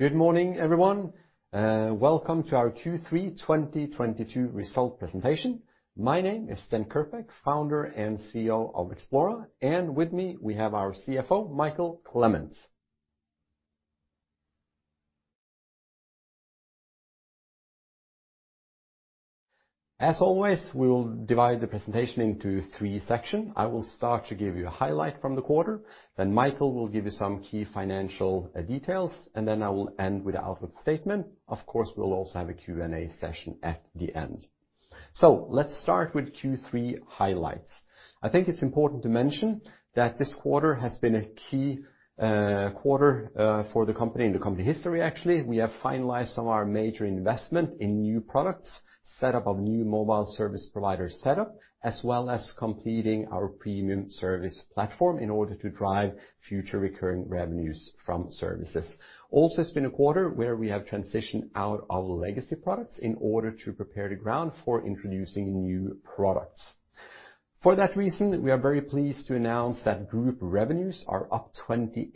Good morning everyone. Welcome to our Q3 2022 result presentation. My name is Sten Kirkbak, Founder and CEO of Xplora, and with me we have our CFO, Mikael Clement. As always, we will divide the presentation into three section. I will start to give you a highlight from the quarter, then Mikael will give you some key financial details, and then I will end with the outlook statement. Of course we'll also have a Q&A session at the end. Let's start with Q3 highlights. I think it's important to mention that this quarter has been a key quarter for the company, in the company history, actually. We have finalized some of our major investment in new products, set up of new mobile service provider setup, as well as completing our premium service platform in order to drive future recurring revenues from services. Also, it's been a quarter where we have transitioned out of legacy products in order to prepare the ground for introducing new products. For that reason, we are very pleased to announce that group revenues are up 28%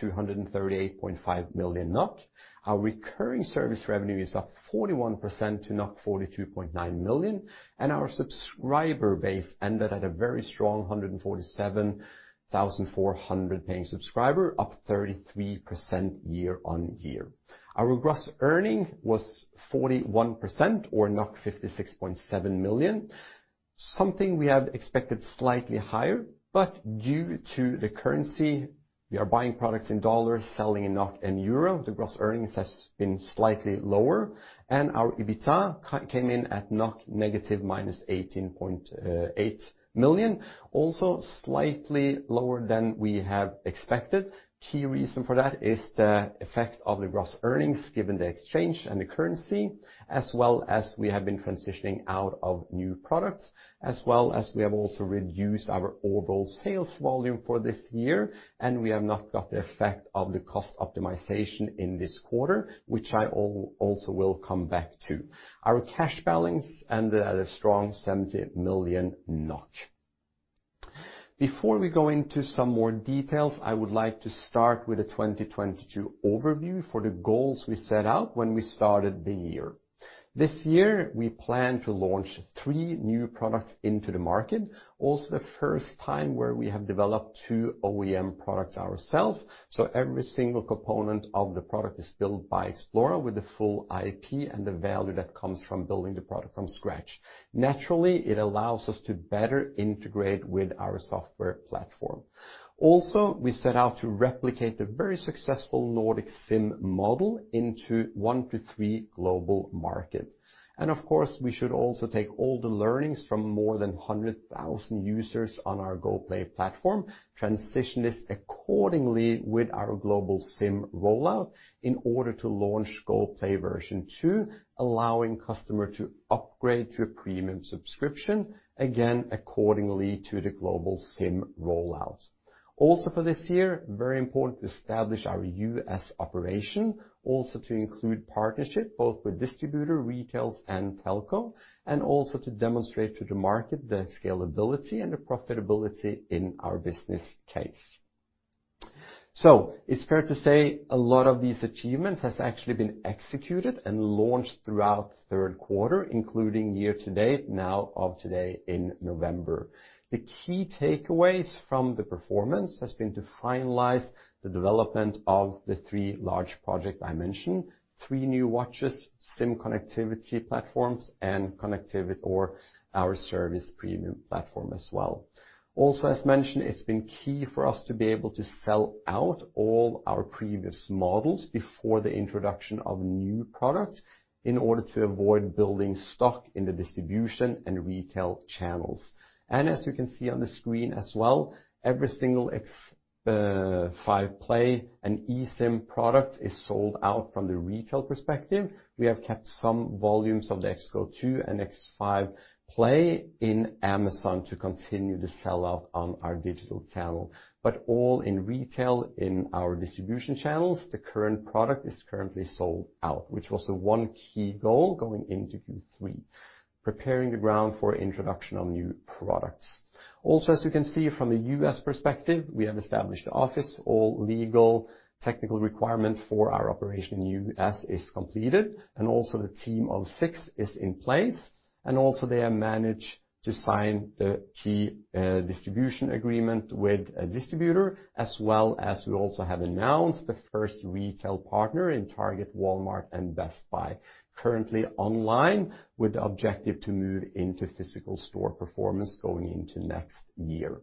to 138.5 million NOK. Our recurring service revenue is up 41% to 42.9 million, and our subscriber base ended at a very strong 147,400 paying subscriber, up 33% year-over-year. Our gross earning was 41% or 56.7 million, something we have expected slightly higher, but due to the currency, we are buying products in dollars, selling in NOK and euro, the gross earnings has been slightly lower. Our EBITDA came in at -18.8 million, also slightly lower than we have expected. Key reason for that is the effect of the gross margins given the exchange and the currency, as well as we have been transitioning out of new products, as well as we have also reduced our overall sales volume for this year, and we have not got the effect of the cost optimization in this quarter which I also will come back to. Our cash balance ended at a strong 70 million. Before we go into some more details, I would like to start with the 2022 overview for the goals we set out when we started the year. This year, we plan to launch three new products into the market, also the first time where we have developed two OEM products ourself so every single component of the product is built by Xplora with the full IP and the value that comes from building the product from scratch. Naturally, it allows us to better integrate with our software platform. Also, we set out to replicate the very successful Nordic SIM` model into one to three global market. Of course, we should also take all the learnings from more than 100,000 users on our Goplay platform, transition this accordingly with our global SIM rollout in order to launch Goplay version II allowing customer to upgrade to a premium subscription, again, accordingly to the global SIM rollout. Also for this year, very important to establish our U.S. operation, also to include partnership both with distributor, retail, and telco, and also to demonstrate to the market the scalability and the profitability in our business case. It's fair to say a lot of these achievements has actually been executed and launched throughout the third quarter, including year-to-date now of today in November. The key takeaways from the performance has been to finalize the development of the three large project I mentioned three new watches, SIM connectivity platforms, and connectivity or our service premium platform as well. Also, as mentioned, it's been key for us to be able to sell out all our previous models before the introduction of new product in order to avoid building stock in the distribution and retail channels. As you can see on the screen as well, every single X5 Play and eSIM product is sold out from the retail perspective. We have kept some volumes of the XGO2 and X5 Play in Amazon to continue to sell out on our digital channel. All in retail in our distribution channels, the current product is currently sold out, which was the one key goal going into Q3 preparing the ground for introduction of new products. Also, as you can see from the U.S. perspective, we have established office, all legal, technical requirements for our operation in U.S. is completed and also the team of six is in place. They have managed to sign the key distribution agreement with a distributor, as well as we also have announced the first retail partner in Target, Walmart, and Best Buy, currently online with the objective to move into physical store performance going into next year.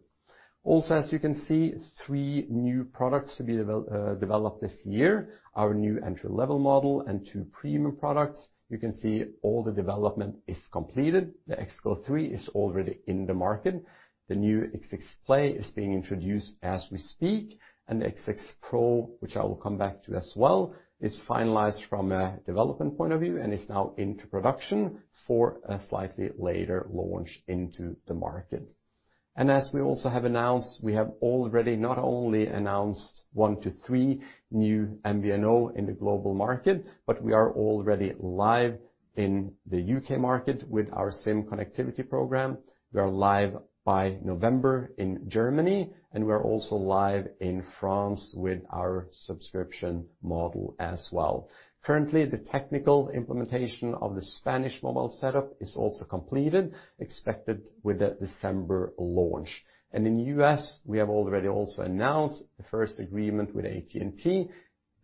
Also, as you can see, three new products to be developed this year, our new entry-level model and two premium products. You can see all the development is completed. The XGO3 is already in the market. The new X6 Play is being introduced as we speak. The X6 Pro, which I will come back to as well, is finalized from a development point of view and is now into production for a slightly later launch into the market. As we also have announced, we have already not only announced one to three new MVNO in the global market, but we are already live in the U.K. market with our SIM connectivity program. We are live by November in Germany, and we are also live in France with our subscription model as well. Currently, the technical implementation of the Spanish mobile setup is also completed, expected with a December launch. In the U.S., we have already also announced the first agreement with AT&T,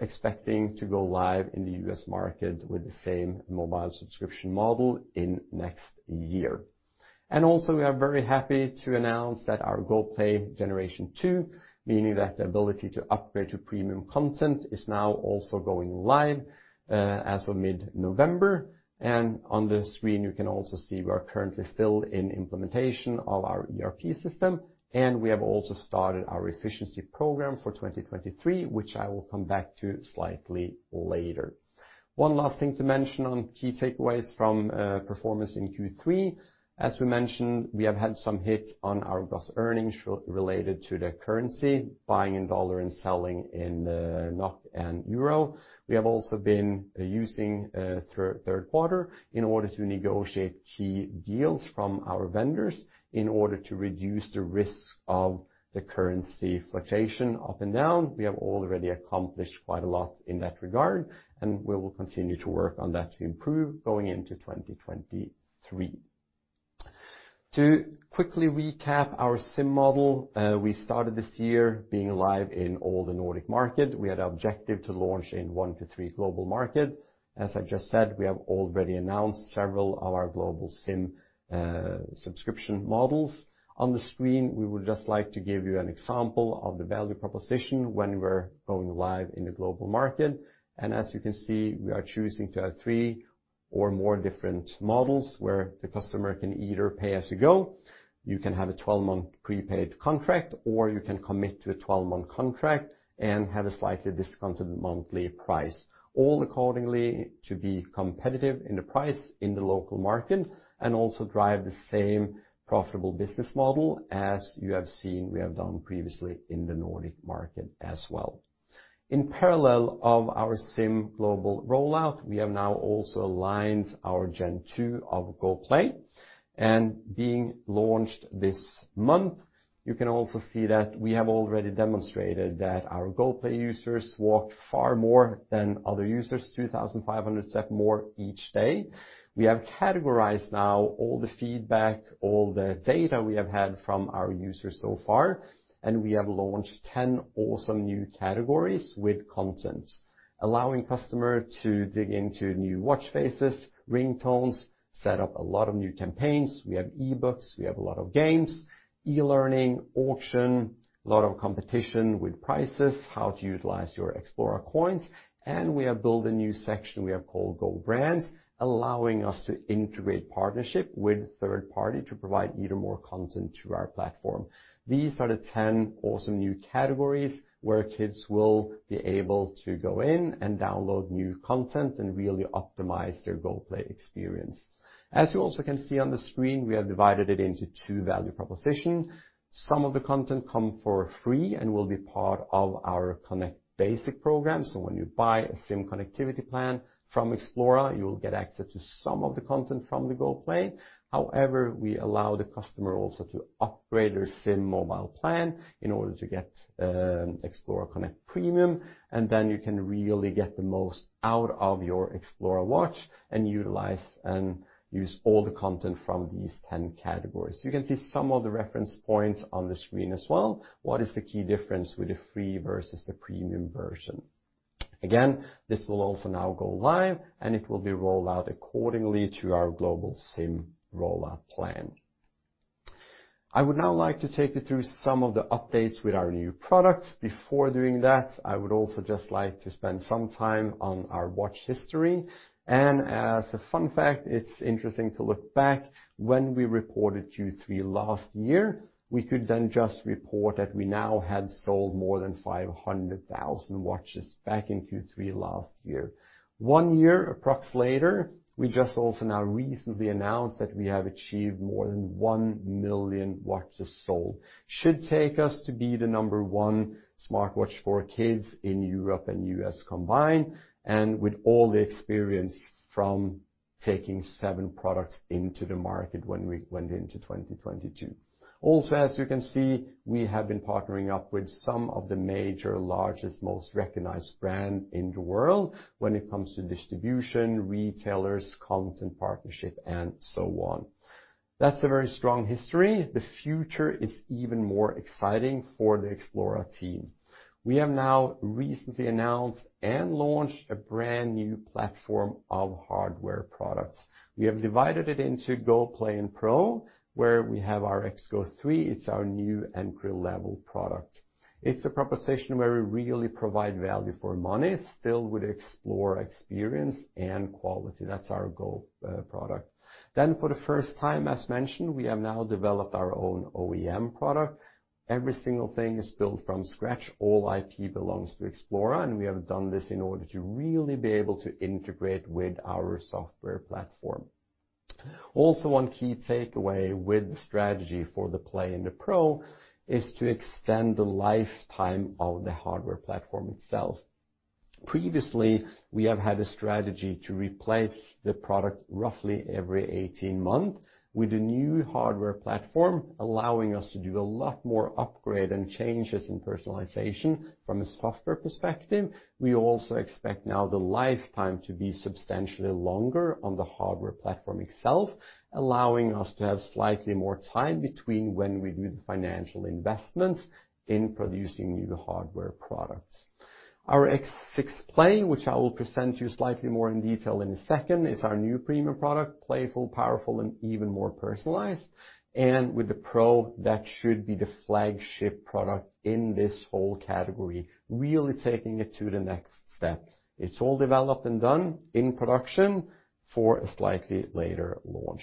expecting to go live in the U.S. market with the same mobile subscription model in next year. We are very happy to announce that our Goplay Generation Two, meaning that the ability to upgrade to premium content, is now also going live as of mid-November. On the screen, you can also see we are currently still in implementation of our ERP system, and we have also started our efficiency program for 2023, which I will come back to slightly later. One last thing to mention on key takeaways from performance in Q3. As we mentioned, we have had some hits on our gross earnings related to the currency, buying in dollar and selling in NOK and euro. We have also been using third quarter in order to negotiate key deals from our vendors in order to reduce the risk of the currency fluctuation up and down. We have already accomplished quite a lot in that regard, and we will continue to work on that to improve going into 2023. To quickly recap our SIM model we started this year being live in all the Nordic markets. We had objective to launch in one to three global market. As I just said, we have already announced several of our global SIM subscription models. On the screen, we would just like to give you an example of the value proposition when we're going live in the global market. As you can see, we are choosing to have three or more different models where the customer can either pay as you go, you can have a 12-month prepaid contract, or you can commit to a 12-month contract and have a slightly discounted monthly price, all accordingly to be competitive in the price in the local market and also drive the same profitable business model as you have seen we have done previously in the Nordic market as well. In parallel of our SIM global rollout, we have now also aligned our Gen 2 of Goplay. Being launched this month, you can also see that we have already demonstrated that our Goplay users walked far more than other users, 2,500 steps more each day. We have categorized now all the feedback, all the data we have had from our users so far. We have launched 10 awesome new categories with content, allowing customer to dig into new watch faces, ringtones, set up a lot of new campaigns. We have e-books, we have a lot of games, e-learning, auction, a lot of competition with prices, how to utilize your Xplora Coins. We have built a new section we have called GoBrands, allowing us to integrate partnership with third party to provide even more content to our platform. These are the 10 awesome new categories where kids will be able to go in and download new content and really optimize their Goplay experience. As you also can see on the screen, we have divided it into two value proposition. Some of the content come for free and will be part of our Connect Basic program. When you buy a SIM connectivity plan from Xplora you'll get access to some of the content from the Goplay. However, we allow the customer also to upgrade their SIM mobile plan in order to get Xplora Connect Premiuand then you can really get the most out of your Xplora watch and utilize and use all the content from these 10 categories. You can see some of the reference points on the screen as well. What is the key difference with the free versus the premium version? Again, this will also now go live, and it will be rolled out accordingly to our global SIM rollout plan. I would now like to take you through some of the updates with our new product. Before doing that, I would also just like to spend some time on our watch history. As a fun fact, it's interesting to look back when we reported Q3 last year. We could then just report that we now had sold more than 500,000 watches back in Q3 last year. One year approx later we just also now recently announced that we have achieved more than 1 million watches sold. Should take us to be the number one smartwatch for kids in Europe and U.S. combined, and with all the experience from taking seven products into the market when we went into 2022. Also, as you can see, we have been partnering up with some of the major, largest, most recognized brand in the world when it comes to distribution, retailers, content partnership and so on. That's a very strong history. The future is even more exciting for the Xplora team. We have now recently announced and launched a brand new platform of hardware products. We have divided it into Goplay and Pro, where we have our XGO3. It's our new entry-level product. It's a proposition where we really provide value for money, still with Xplora experience and quality. That's our Goplay product. For the first time, as mentioned, we have now developed our own OEM product. Every single thing is built from scratch. All IP belongs to Xplora and we have done this in order to really be able to integrate with our software platform. Also, one key takeaway with the strategy for the Play and the Pro is to extend the lifetime of the hardware platform itself. Previously, we have had a strategy to replace the product roughly every 18 months. With the new hardware platform allowing us to do a lot more upgrade and changes in personalization from a software perspective, we also expect now the lifetime to be substantially longer on the hardware platform itself, allowing us to have slightly more time between when we do the financial investments in producing new hardware products. Our X6 Play which I will present to you slightly more in detail in a second, is our new premium product. Playful, powerful, and even more personalized. And with the Pro that should be the flagship product in this whole category, really taking it to the next step. It's all developed and done, in production for a slightly later launch.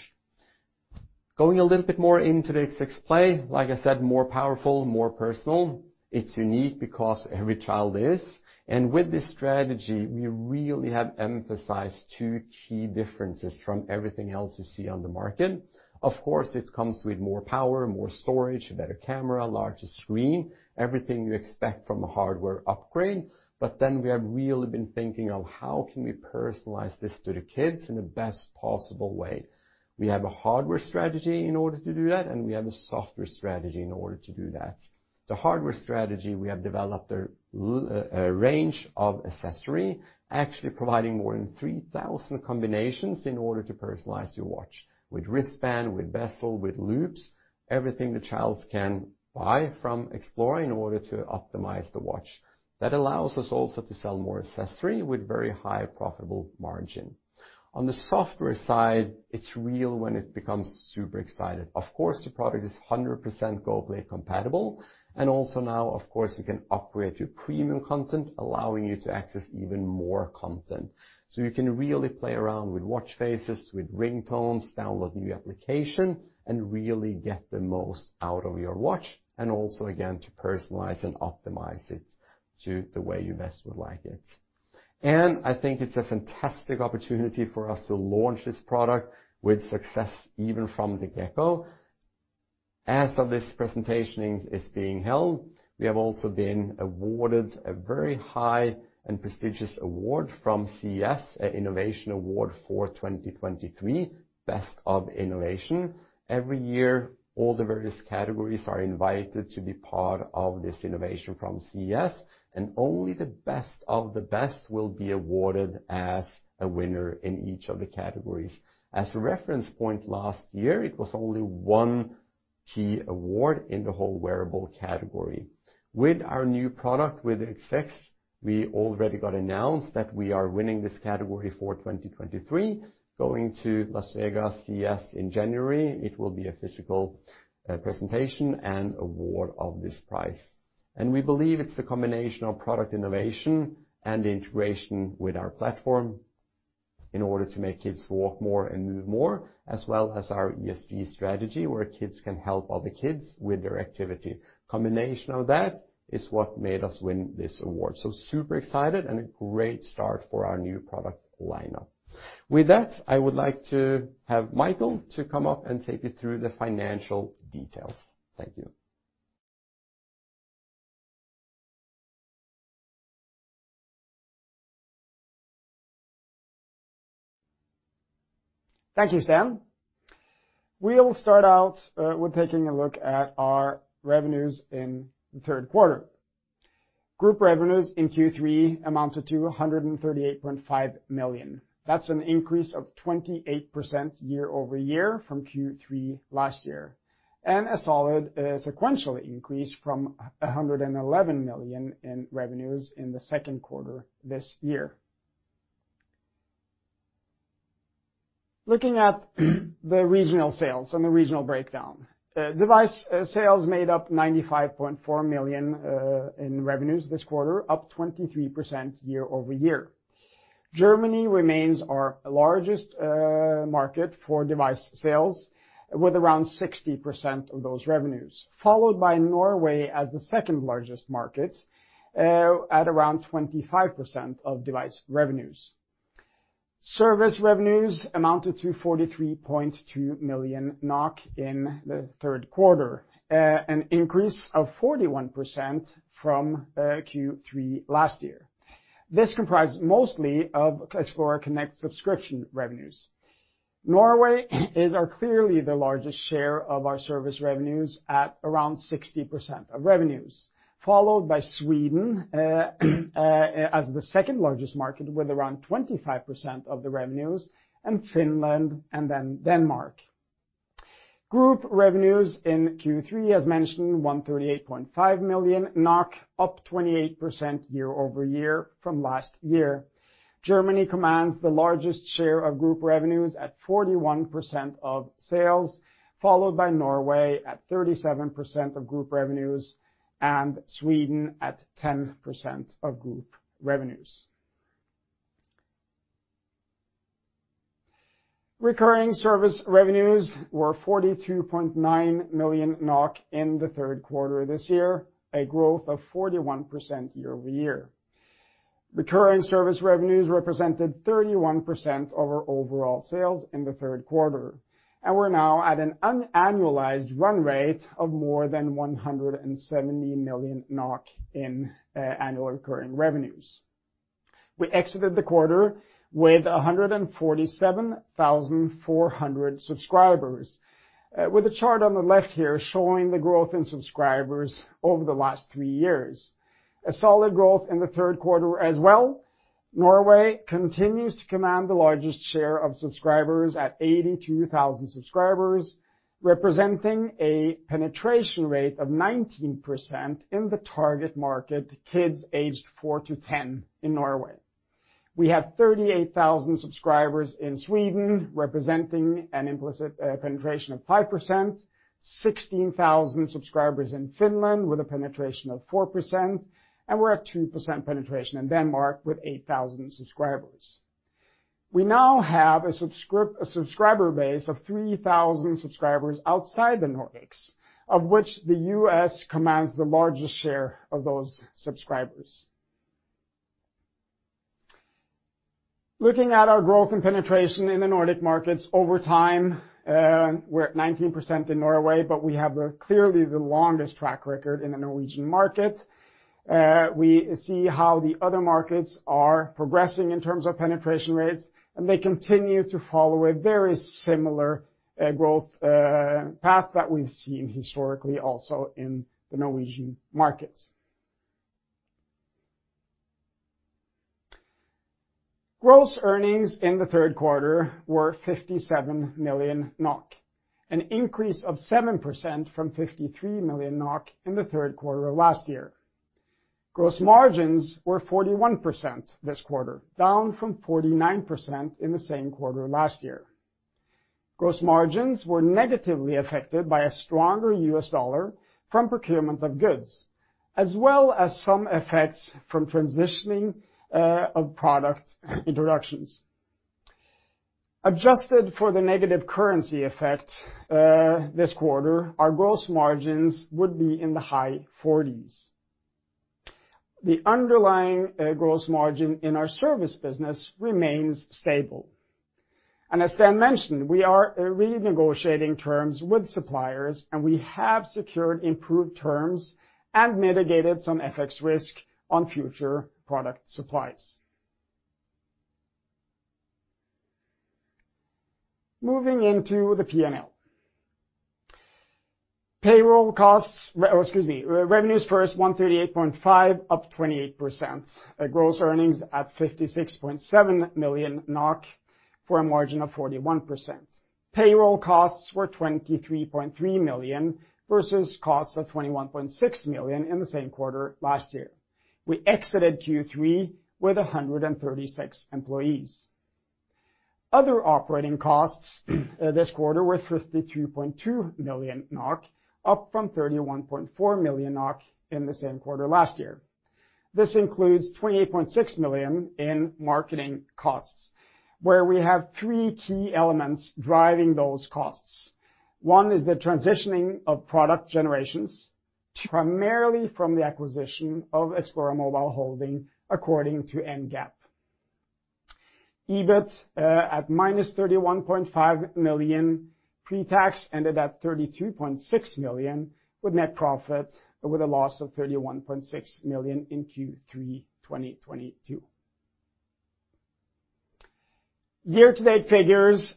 Going a little bit more into the X6 Play, like I said, more powerful, more personal. It's unique because every child is. With this strategy, we really have emphasized two key differences from everything else you see on the market. Of course, it comes with more power, more storage, better camera, larger screen, everything you expect from a hardware upgrade. We have really been thinking of how can we personalize this to the kids in the best possible way. We have a hardware strategy in order to do that, and we have a software strategy in order to do that. The hardware strategy, we have developed a range of accessories, actually providing more than 3,000 combinations in order to personalize your watch. With wristband, with bezel with loops everything the child can buy from Xplora in order to optimize the watch. That allows us also to sell more accessories with very high profit margin. On the software side, it's where it becomes super exciting. Of course, the product is 100% Goplay compatible. Also now, of course, you can upgrade to premium content, allowing you to access even more content. You can really play around with watch faces, with ringtones, download new application, and really get the most out of your watch, and also, again, to personalize and optimize it to the way you best would like it. I think it's a fantastic opportunity for us to launch this product with success, even from the get-go. As of this presentation is being held, we have also been awarded a very high and prestigious award from CES a Innovation Award for 2023 Best of Innovation. Every year, all the various categories are invited to be part of this innovation from CES, and only the best of the best will be awarded as a winner in each of the categories. As a reference point, last year, it was only one key award in the whole wearable category. With our new product, with X6, we already got announced that we are winning this category for 2023. Going to Las Vegas CES in January it will be a physical presentation and award of this prize. We believe it's a combination of product innovation and integration with our platform in order to make kids walk more and move more, as well as our ESG strategy, where kids can help other kids with their activity. Combination of that is what made us win this award. Super excited and a great start for our new product lineup. With that, I would like to have Mikael to come up and take you through the financial details. Thank you. Thank you, Sten. We'll start out with taking a look at our revenues in the third quarter. Group revenues in Q3 amounted to 138.5 million. That's an increase of 28% year-over-year from Q3 last year and a solid sequential increase from 111 million in revenues in the second quarter this year. Looking at the regional sales and the regional breakdown. Device sales made up 95.4 million in revenues this quarter, up 23% year-over-year. Germany remains our largest market for device sales with around 60% of those revenues, followed by Norway as the second-largest market at around 25% of device revenues. Service revenues amounted to 43.2 million NOK in the third quarter an increase of 41% from Q3 last year. This comprised mostly of Xplora Connect subscription revenues. Norway is clearly the largest share of our service revenues at around 60% of revenues, followed by Sweden as the second-largest market with around 25% of the revenues, and Finland, and then Denmark. Group revenues in Q3, as mentioned, 138.5 million NOK up 28% year-over-year from last year. Germany commands the largest share of group revenues at 41% of sales followed by Norway at 37% of group revenues, and Sweden at 10% of group revenues. Recurring service revenues were 42.9 million NOK in the third quarter this year, a growth of 41% year-over-year. Recurring service revenues represented 31% of our overall sales in the third quarter, and we're now at an unannualized run rate of more than 170 million NOK in annual recurring revenues. We exited the quarter with 147,400 subscribers with a chart on the left here showing the growth in subscribers over the last three years. A solid growth in the third quarter as well. Norway continues to command the largest share of subscribers at 82,000 subscribers, representing a penetration rate of 19% in the target market, kids aged 4-10 in Norway. We have 38,000 subscribers in Sweden, representing an implicit penetration of 5%, 16,000 subscribers in Finland with a penetration of 4%, and we're at 2% penetration in Denmark with 8,000 subscribers. We now have a subscriber base of 3,000 subscribers outside the Nordics, of which the U.S. commands the largest share of those subscribers. Looking at our growth and penetration in the Nordic markets over time we're at 19% in Norway, but we have clearly the longest track record in the Norwegian market. We see how the other markets are progressing in terms of penetration rates, and they continue to follow a very similar growth path that we've seen historically also in the Norwegian markets. Gross earnings in the third quarter were 57 million NOK, an increase of 7% from 53 million NOK in the third quarter of last year. Gross margins were 41% this quarter, down from 49% in the same quarter last year. Gross margins were negatively affected by a stronger U.S. dollar from procurement of goods, as well as some effects from transitioning of product introductions. Adjusted for the negative currency effect this quarter, our gross margins would be in the high 40%s. The underlying gross margin in our service business remains stable. As Sten mentioned we are renegotiating terms with suppliers, and we have secured improved terms and mitigated some FX risk on future product supplies. Moving into the P&L. Payroll costs, or excuse me, revenues first, 138.5, up 28%. Gross earnings at 56.7 million NOK for a margin of 41%. Payroll costs were 23.3 million versus costs of 21.6 million in the same quarter last year. We exited Q3 with 136 employees. Other operating costs this quarter were 52.2 million NOK, up from 31.4 million NOK in the same quarter last year. This includes 28.6 million in marketing costs, where we have three key elements driving those costs. One is the transitioning of product generations, primarily from the acquisition of Xplora Mobile Holding according to NGAAP. EBIT at -31.5 million, pre-tax ended at 32.6 million with net profit with a loss of 31.6 million in Q3 2022. Year-to-date figures,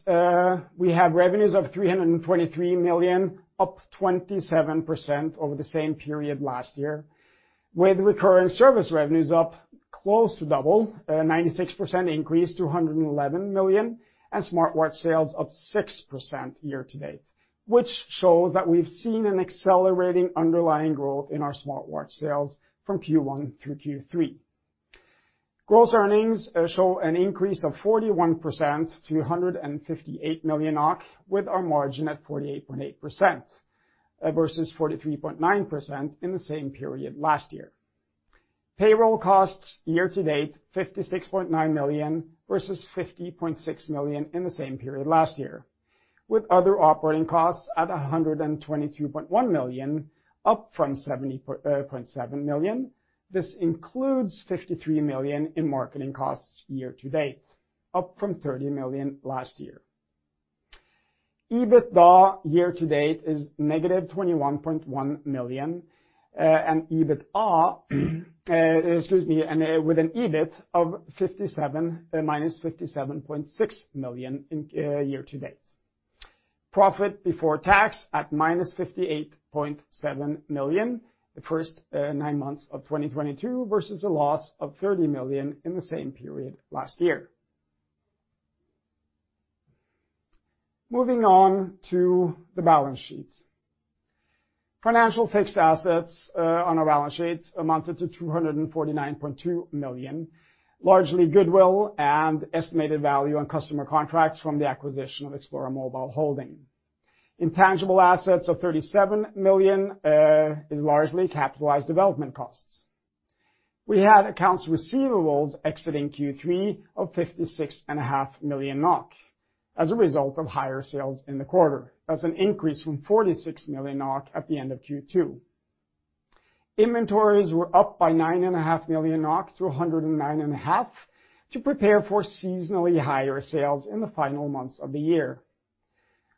we have revenues of 323 million up 27% over the same period last year, with recurring service revenues up close to double, 96% increase to 111 million, and smartwatch sales up 6% year-to-date which shows that we've seen an accelerating underlying growth in our smartwatch sales from Q1 through Q3. Gross earnings show an increase of 41% to 158 million, with our margin at 48.8% versus 43.9% in the same period last year. Payroll costs year-to-date 56.9 million versus 50.6 million in the same period last year, with other operating costs at 122.1 million, up from 70.7 million. This includes 53 million in marketing costs year-to-date, up from 30 million last year. EBITDA year-to-date is -21.1 million and with an EBIT of -57.6 million in year-to-date. Profit before tax at -58.7 million the first nine months of 2022 versus a loss of 30 million in the same period last year. Moving on to the balance sheet. Financial fixed assets on our balance sheet amounted to 249.2 million, largely goodwill and estimated value on customer contracts from the acquisition of Xplora Mobile Holding. Intangible assets of 37 million is largely capitalized development costs. We had accounts receivables exiting Q3 of 56 and a half million as a result of higher sales in the quarter. That's an increase from 46 million NOK at the end of Q2. Inventories were up by 9.5 million NOK-NOK 9.5 million to prepare for seasonally higher sales in the final months of the year.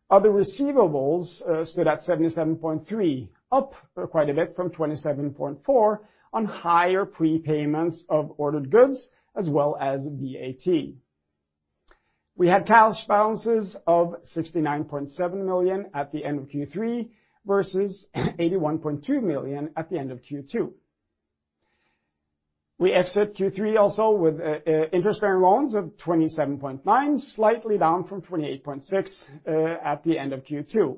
Other receivables stood at 77.3 up quite a bit from 27.4 on higher prepayments of ordered goods as well as VAT. We had cash balances of 69.7 million at the end of Q3 versus 81.2 million at the end of Q2. We exit Q3 also with interest-bearing loans of 27.9, slightly down from 28.6 at the end of Q2.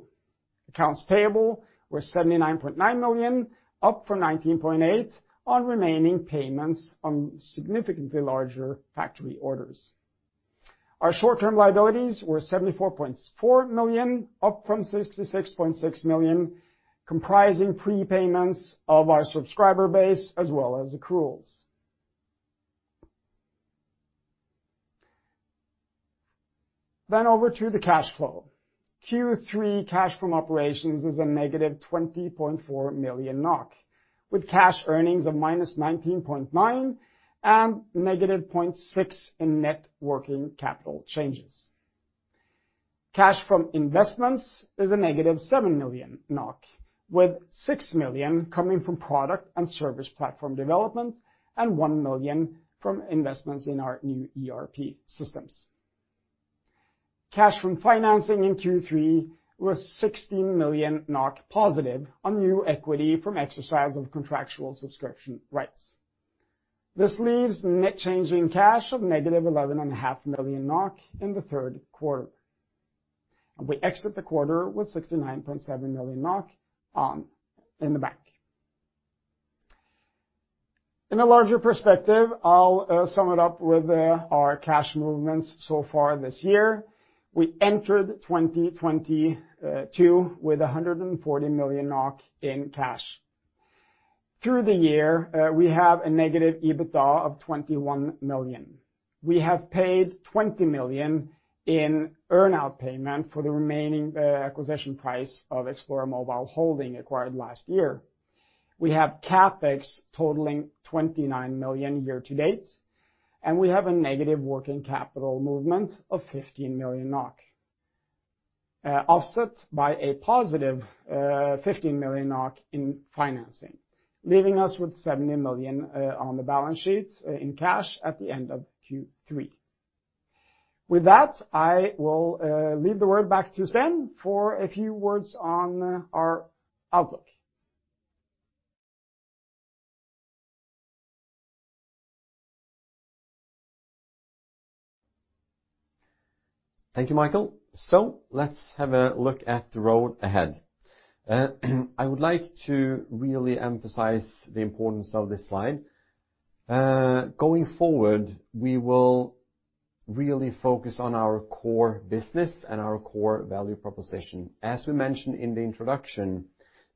Accounts payable were 79.9 million, up from 19.8 on remaining payments on significantly larger factory orders. Our short-term liabilities were 74.4 million, up from 66.6 million, comprising prepayments of our subscriber base as well as accruals. Over to the cash flow. Q3 cash from operations is a -20.4 million NOK with cash earnings of -19.9 and -0.6 in net working capital changes. Cash from investments is a -7 million NOK with 6 million coming from product and service platform development and 1 million from investments in our new ERP systems. Cash from financing in Q3 was 16 million NOK positive on new equity from exercise of contractual subscription rights. This leaves net change in cash of -11.5 million NOK in the third quarter. We exit the quarter with 69.7 million NOK in the bank. In a larger perspective, I'll sum it up with our cash movements so far this year. We entered 2022 with 140 million NOK in cash. Through the year, we have a negative EBITDA of 21 million. We have paid 20 million in earn-out payment for the remaining acquisition price of Xplora Mobile Holding acquired last year. We have CapEx totaling 29 million year-to-date and we have a negative working capital movement of 15 million NOK, offset by a positive 15 million NOK in financing, leaving us with 70 million on the balance sheet in cash at the end of Q3. With that, I will leave the word back to Sten for a few words on our outlook. Thank you, Mikael. Let's have a look at the road ahead. I would like to really emphasize the importance of this slide. Going forward, we will really focus on our core business and our core value proposition. As we mentioned in the introduction,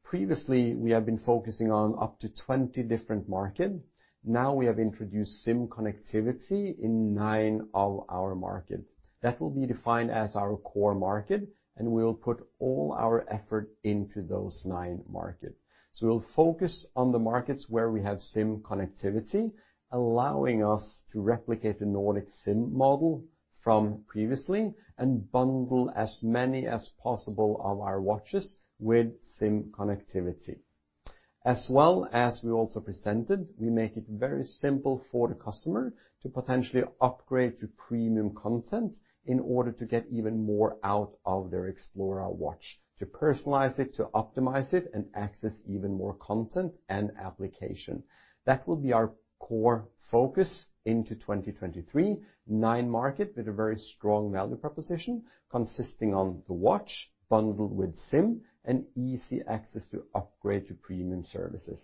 previously, we have been focusing on up to 20 different markets. Now we have introduced SIM connectivity in nine of our markets. That will be defined as our core markets, and we will put all our effort into those nine markets. We'll focus on the markets where we have SIM connectivity, allowing us to replicate the Nordic SIM model from previously and bundle as many as possible of our watches with SIM connectivity. As well as we also presented, we make it very simple for the customer to potentially upgrade to premium content in order to get even more out of their Xplora watch, to personalize it, to optimize it, and access even more content and application. That will be our core focus into 2023, nine market with a very strong value proposition consisting on the watch bundled with SIM and easy access to upgrade to premium services.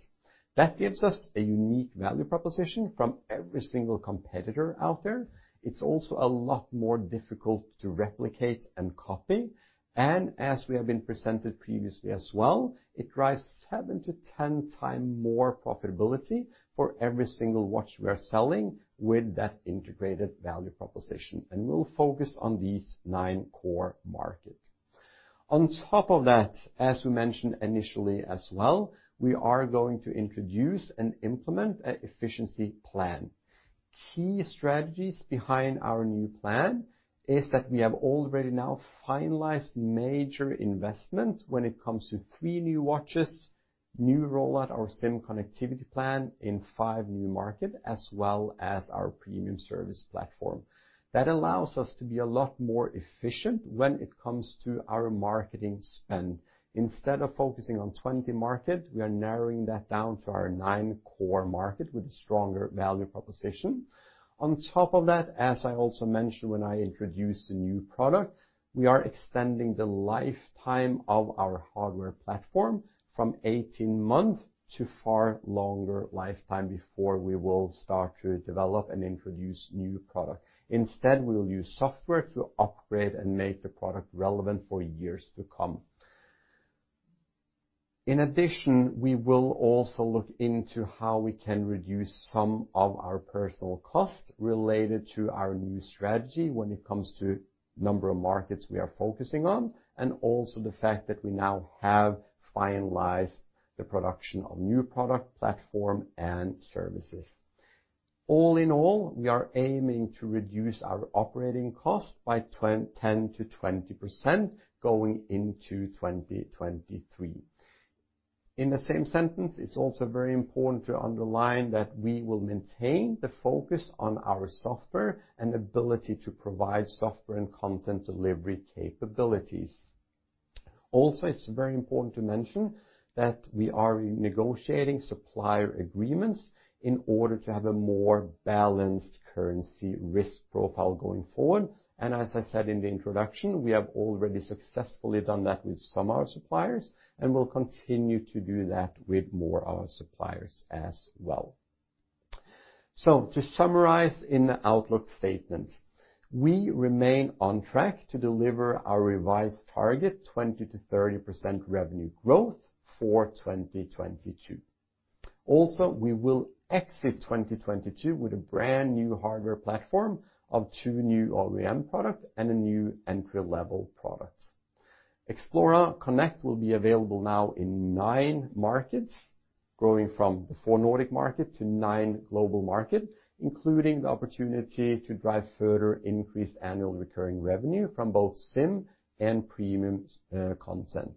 That gives us a unique value proposition from every single competitor out there. It's also a lot more difficult to replicate and copy. As we have been presented previously as well, it drives seven to 10 time more profitability for every single watch we are selling with that integrated value proposition. We'll focus on these nine core market. On top of that, as we mentioned initially as well, we are going to introduce and implement an efficiency plan. Key strategies behind our new plan is that we have already now finalized major investment when it comes to three new watches, new rollout our SIM connectivity plan in five new market as well as our premium service platform. That allows us to be a lot more efficient when it comes to our marketing spend. Instead of focusing on 20 market we are narrowing that down to our nine core market with a stronger value proposition. On top of that, as I also mentioned when I introduced the new product, we are extending the lifetime of our hardware platform from 18 month to far longer lifetime before we will start to develop and introduce new product. Instead, we will use software to upgrade and make the product relevant for years to come. In addition, we will also look into how we can reduce some of our personnel costs related to our new strategy when it comes to number of markets we are focusing on, and also the fact that we now have finalized the production of new product platform and services. All in all we are aiming to reduce our operating costs by 10%-20% going into 2023. In the same sentence, it's also very important to underline that we will maintain the focus on our software and ability to provide software and content delivery capabilities. Also, it's very important to mention that we are negotiating supplier agreements in order to have a more balanced currency risk profile going forward. As I said in the introduction, we have already successfully done that with some our suppliers and will continue to do that with more our suppliers as well. To summarize in the outlook statement, we remain on track to deliver our revised target 20%-30% revenue growth for 2022. Also, we will exit 2022 with a brand-new hardware platform of two new OEM products and a new entry-level product. Xplora Connect will be available now in nine markets, growing from the four Nordic market to nine global market, including the opportunity to drive further increased annual recurring revenue from both SIM and premium content.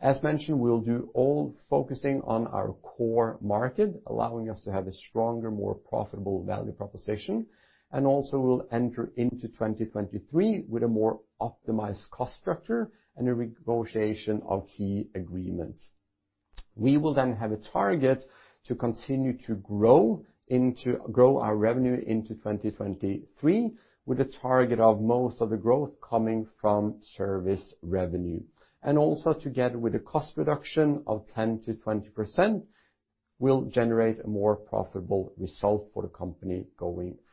As mentioned we'll do all focusing on our core market, allowing us to have a stronger, more profitable value proposition, and also we'll enter into 2023 with a more optimized cost structure and a negotiation of key agreements. We will then have a target to continue to grow our revenue into 2023 with a target of most of the growth coming from service revenue. Also together with a cost reduction of 10%-20% will generate a more profitable result for the company going forward.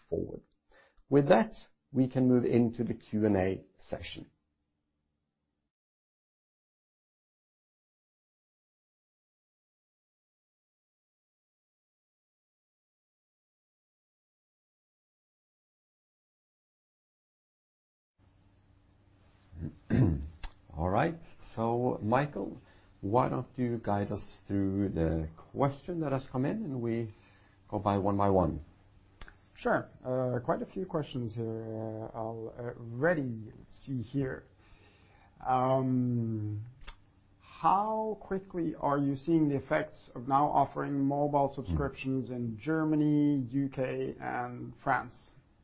With that, we can move into the Q&A session. All right, so Mikael, why don't you guide us through the question that has come in and we go by one by one? Sure. Quite a few questions here I already see here. How quickly are you seeing the effects of now offering mobile subscriptions? Mm. In Germany, U.K., and France?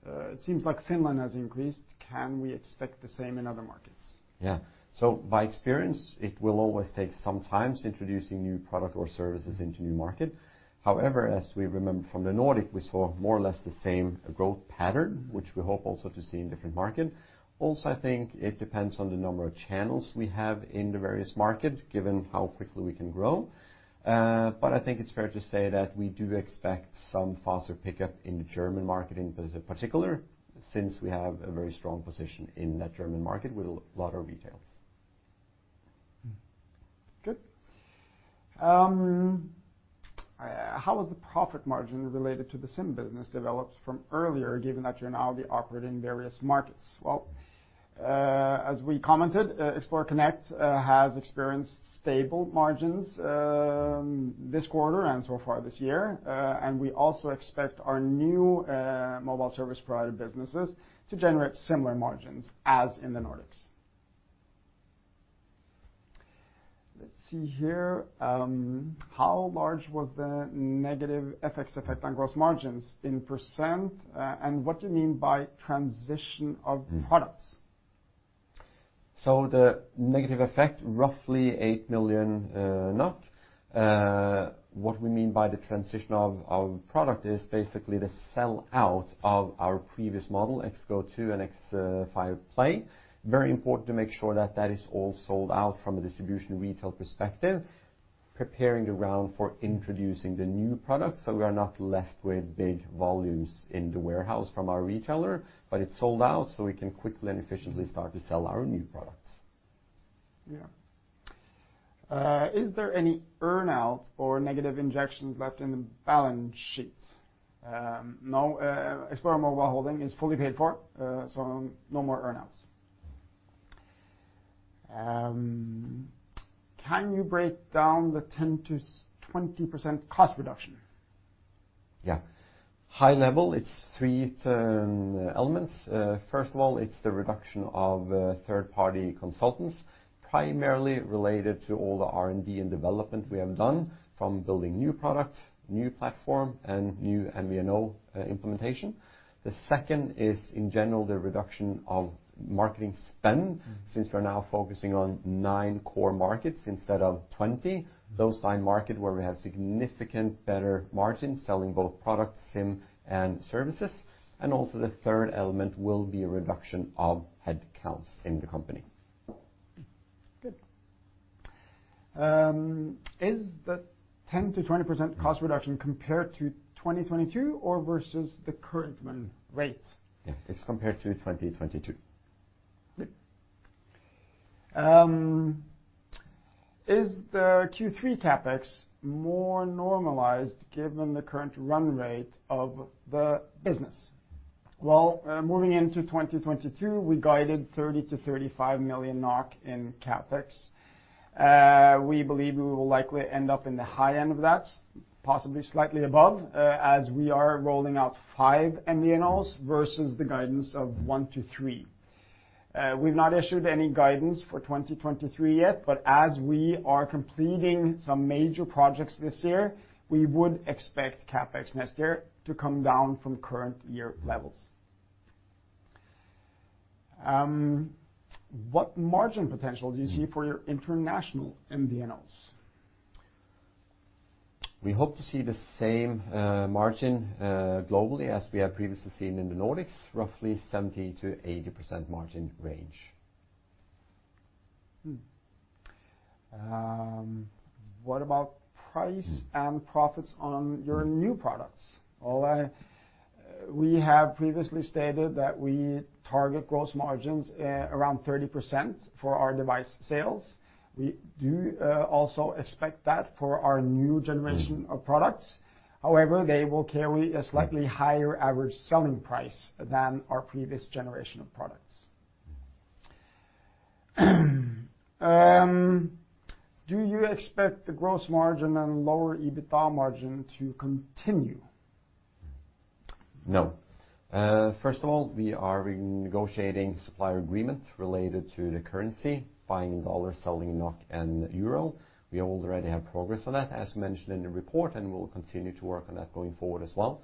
It seems like Finland has increased. Can we expect the same in other markets? Yeah. By experience, it will always take some time to introducing new product or services into new market. However as we remember from the Nordic, we saw more or less the same growth pattern. Mm. Which we hope also to see in different market. Also, I think it depends on the number of channels we have in the various market, given how quickly we can grow. I think it's fair to say that we do expect some faster pickup in the German market in particular since we have a very strong position in that German market with a lot of retails. Good. How is the profit margin related to the SIM business developed from earlier, given that you're now operating various markets? Well, as we commented Xplora Connect has experienced stable margins, this quarter and so far this year. And we also expect our new mobile service provider businesses to generate similar margins as in the Nordics. Let's see here. How large was the negative FX effect on gross margins in percent, and what do you mean by transition of products? The negative effect, roughly 8 million. What we mean by the transition of our product is basically the sell out of our previous model, XGO2 and X5 Play. Very important to make sure that that is all sold out from a distribution retail perspective, preparing the ground for introducing the new product, so we are not left with big volumes in the warehouse from our retailer, but it's sold out, so we can quickly and efficiently start to sell our new products. Yeah. Is there any earn-out or negative injections left in the balance sheet? No, Xplora Mobile Holding is fully paid for, so no more earn-outs. Can you break down the 10%-20% cost reduction? Yeah. High level, it's three elements. First of all, it's the reduction of third-party consultants, primarily related to all the R&D and development we have done from building new product, new platform, and new MVNO implementation. The second is, in general, the reduction of marketing spend. Mm. Since we're now focusing on nine core markets instead of 20. Mm. Those nine market where we have significant better margin selling both products, SIM, and services. Also, the third element will be a reduction of headcounts in the company. Good. Is the 10%-20% cost reduction compared to 2022 or versus the current run rate? Yeah. It's compared to 2022. Is the Q3 CapEx more normalized given the current run rate of the business? Well, moving into 2022, we guided 30 million-35 million NOK in CapEx. We believe we will likely end up in the high end of that, possibly slightly above, as we are rolling out five MVNOs versus the guidance of one to three. We've not issued any guidance for 2023 yet, but as we are completing some major projects this year, we would expect CapEx next year to come down from current year levels. What margin potential do you see for your international MVNOs? We hope to see the same margin globally as we have previously seen in the Nordics, roughly 70%-80% margin range. What about price? Hmm. Profits on your new products? Well, we have previously stated that we target gross margins around 30% for our device sales. We do also expect that for our new generation. Hmm. Of products. However, they will carry a slightly higher average selling price than our previous generation of products. Do you expect the gross margin and lower EBITDA margin to continue? No. First of all, we are renegotiating supplier agreements related to the currency, buying dollars, selling NOK and Euro. We already have progress on that, as mentioned in the report, and we'll continue to work on that going forward as well.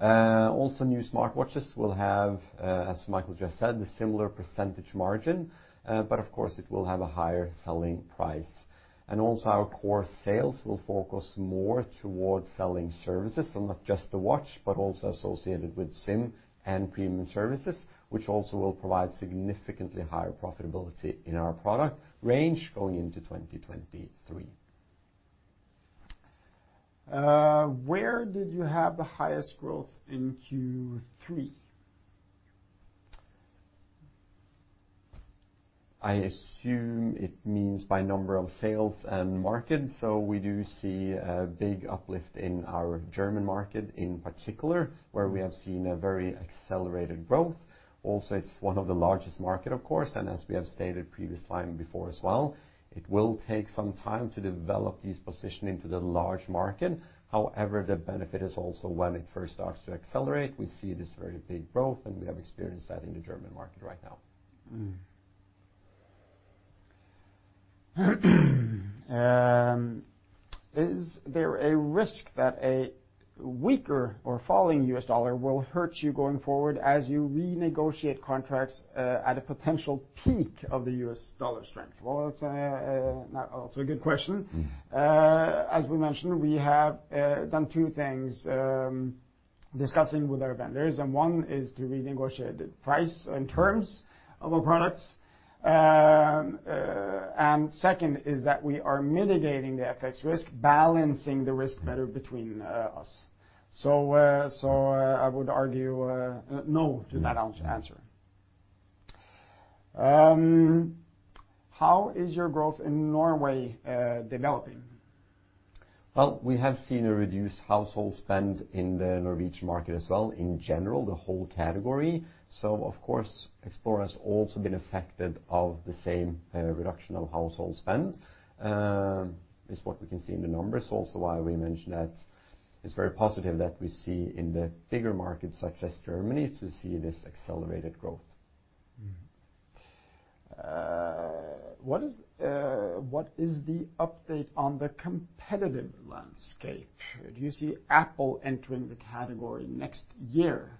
Also, new smartwatches will have as Mikael just said, the similar percent margin, but of course it will have a higher selling price. Also our core sales will focus more towards selling services from not just the watch, but also associated with SIM and premium services, which also will provide significantly higher profitability in our product range going into 2023. Where did you have the highest growth in Q3? I assume it means by number of sales and market. We do see a big uplift in our German market in particular, where we have seen a very accelerated growth. Also, it's one of the largest market, of course, and as we have stated previously and before as well, it will take some time to develop this positioning to the large market. However the benefit is also when it first starts to accelerate, we see this very big growth, and we have experienced that in the German market right now. Is there a risk that a weaker or falling U.S. dollar will hurt you going forward as you renegotiate contracts at a potential peak of the U.S. dollar strength? Well, it's also a good question. Mm-hmm. As we mentioned, we have done two things, discussing with our vendors, and one is to renegotiate the price and terms of our products. Second is that we are mitigating the FX risk, balancing the risk better between us. I would argue no to that answer. How is your growth in Norway developing? Well, we have seen a reduced household spend in the Norwegian market as well in general, the whole category. Of course, Xplora has also been affected of the same reduction of household spend is what we can see in the numbers. Also why we mentioned that it's very positive that we see in the bigger markets such as Germany to see this accelerated growth. What is the update on the competitive landscape? Do you see Apple entering the category next year?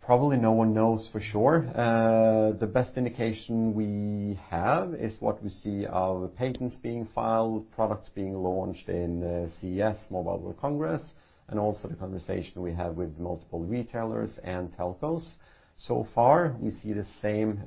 Probably no one knows for sure. The best indication we have is what we see of patents being filed, products being launched in CES, Mobile World Congress, and also the conversation we have with multiple retailers and telcos. So far, we see the same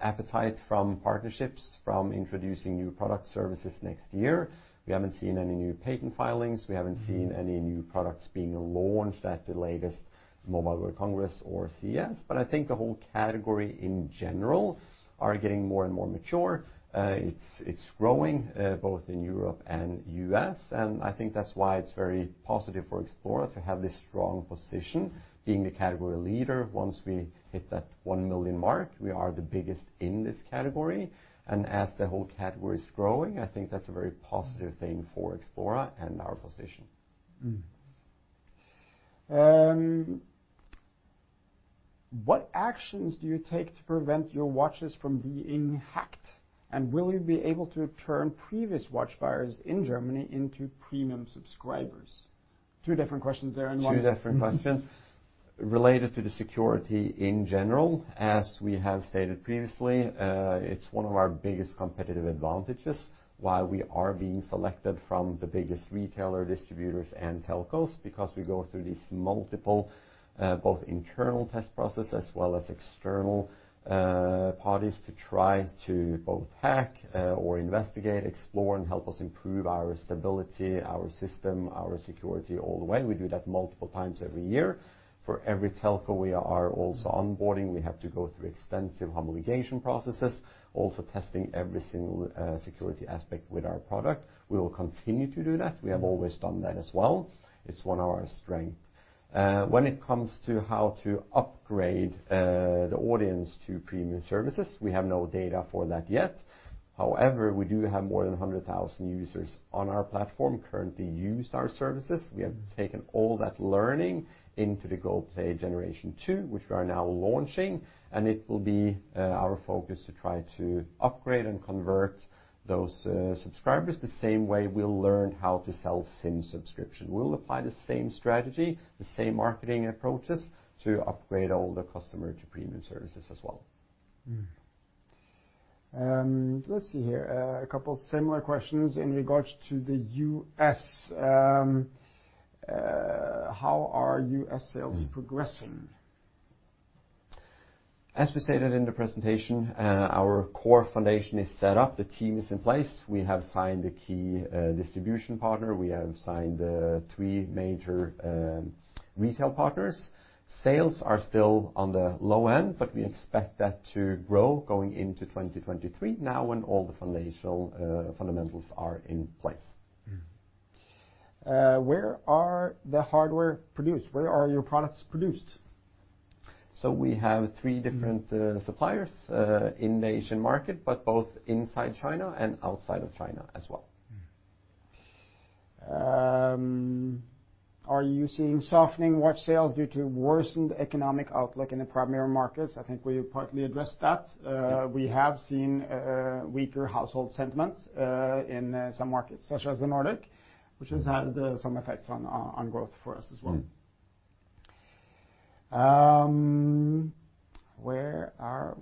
appetite from partnerships from introducing new product services next year. We haven't seen any new patent filings. We haven't seen any new products being launched at the latest Mobile World Congress or CES. I think the whole category in general are getting more and more mature. It's growing both in Europe and U.S. I think that's why it's very positive for Xplora to have this strong position being a category leader. Once we hit that 1 million mark we are the biggest in this category. As the whole category is growing, I think that's a very positive thing for Xplora and our position. What actions do you take to prevent your watches from being hacked? Will you be able to turn previous watch buyers in Germany into premium subscribers? Two different questions there in one. Two different questions. Related to the security in general, as we have stated previously, it's one of our biggest competitive advantages why we are being selected from the biggest retailers, distributors, and telcos, because we go through these multiple, both internal test processes as well as external parties to try to both hack or investigate Xplora and help us improve our stability, our system, our security all the way. We do that multiple times every year. For every telco we are also onboarding, we have to go through extensive homologation processes, also testing every single security aspect with our product. We will continue to do that. We have always done that as well. It's one of our strengths. When it comes to how to upgrade the audience to premium services, we have no data for that yet. However, we do have more than 100,000 users on our platform currently using our services. We have taken all that learning into the Goplay Generation Two, which we are now launching, and it will be our focus to try to upgrade and convert those subscribers the same way we'll learn how to sell SIM subscription. We'll apply the same strategy, the same marketing approaches to upgrade all the customer to premium services as well. Let's see here. A couple similar questions in regards to the U.S. How are U.S. sales progressing? As we stated in the presentation, our core foundation is set up. The team is in place. We have signed a key distribution partner. We have signed three major retail partners. Sales are still on the low end, but we expect that to grow going into 2023 now when all the foundational fundamentals are in place. Where are the hardware produced? Where are your products produced? We have three different suppliers in the Asian market, but both inside China and outside of China as well. Are you seeing softening watch sales due to worsened economic outlook in the primary markets? I think we partly addressed that. We have seen weaker household sentiments in some markets such as the Nordic, which has had some effects on growth for us as well. Mm. There are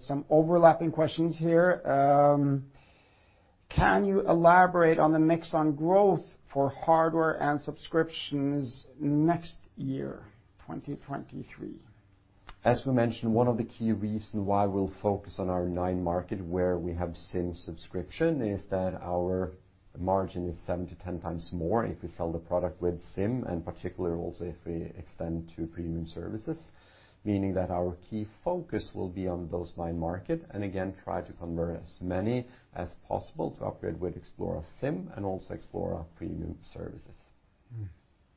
some overlapping questions here. Can you elaborate on the mix on growth for hardware and subscriptions next year, 2023? As we mentioned, one of the key reason why we'll focus on our nine market where we have SIM subscription is that our margin is 7x-10x more if we sell the product with SIM, and particularly also if we extend to premium services. Meaning that our key focus will be on those nine market, and again, try to convert as many as possible to upgrade with Xplora SIM and also Xplora premium services. Mm.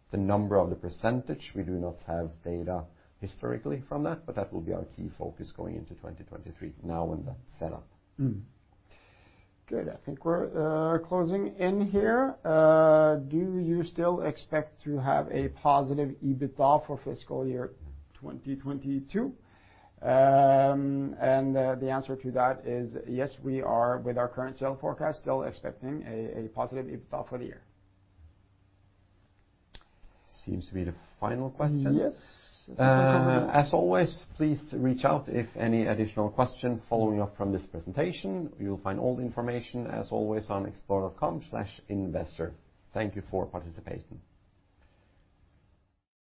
The number of the percentage, we do not have data historically from that, but that will be our key focus going into 2023 now in the setup. Good. I think we're closing in here. Do you still expect to have a positive EBITDA for fiscal year 2022? The answer to that is yes, we are with our current sales forecast, still expecting a positive EBITDA for the year. Seems to be the final question. Yes. As always, please reach out if any additional questions following up from this presentation. You'll find all the information as always on xplora.com/investor. Thank you for participating.